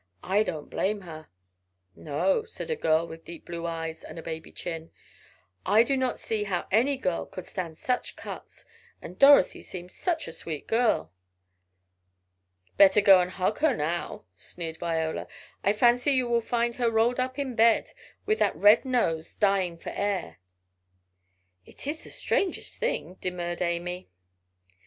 "I don't blame her." "No," said a girl with deep blue eyes, and a baby chin, "I do not see how any girl could stand such cuts, and Dorothy seemed such a sweet girl." "Better go and hug her now," sneered Viola, "I fancy you will find her rolled up in bed, with her red nose, dying for air." "It is the strangest thing " demurred Amy.